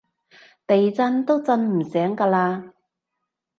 地震都震唔醒㗎喇